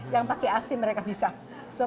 yang pakai asi mereka bisa